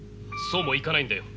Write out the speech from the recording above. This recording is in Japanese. そうもいかないんだよ。